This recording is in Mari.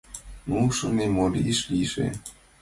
«Ну, — шонем, — мо лиеш лийже».